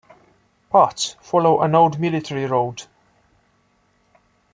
Parts follow an old military road.